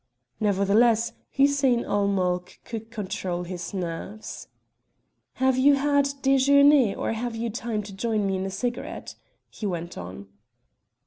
Nevertheless, Hussein ul Mulk could control his nerves. "Have you had déjeûner, or have you time to join me in a cigarette?" he went on.